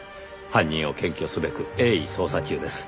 犯人を検挙すべく鋭意捜査中です。